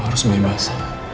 lo harus bebas